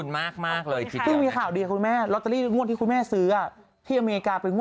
ไม่ทันค่ะก็แร่งกลุ่มมือถือแล้วส่วนหัว